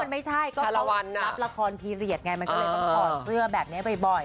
ไม่ใช่ก็นับละครพีเรียสไงมันก็เลยต้องถอดเสื้อแบบนี้บ่อย